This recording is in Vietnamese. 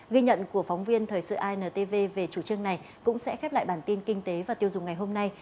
ghi nhận của phóng viên thời sự intv về chủ trương này cũng sẽ khép lại bản tin kinh tế và tiêu dùng ngày hôm nay